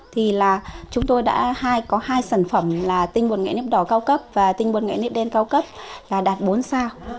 thì là chúng tôi đã có hai sản phẩm là tinh bột nghệ nếp đỏ cao cấp và tinh bột nghệ đen cao cấp là đạt bốn sao